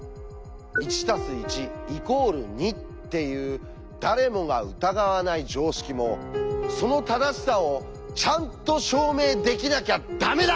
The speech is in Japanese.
「『１＋１＝２』っていう誰もが疑わない常識もその正しさをちゃんと証明できなきゃダメだ！」